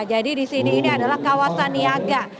jadi di sini ini adalah kawasan niaga